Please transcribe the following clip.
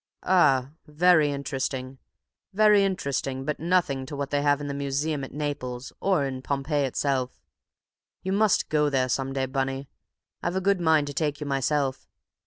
"Ah, very interesting, very interesting, but nothing to what they have in the museum at Naples or in Pompeii itself. You must go there some day, Bunny. I've a good mind to take you myself.